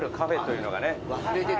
忘れてた。